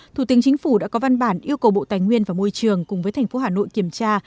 thủ tướng chính phủ đã có văn bản yêu cầu bộ tài nguyên và môi trường cùng với thành phố hà nội kiểm tra